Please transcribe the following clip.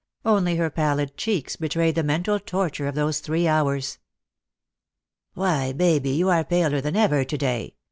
Only her pallid cheeks betrayed the mental torture of those three hours. " Why, Baby, you are paler than ever to day